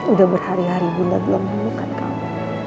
udah berhari hari bunda belum hubungkan kamu